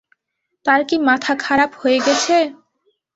তাঁর কি মাথা খারাপ হয়ে গেছে?